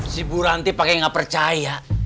si buranti pake gak percaya